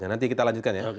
nanti kita lanjutkan ya